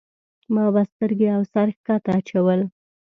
ما به سترګې او سر ښکته اچول.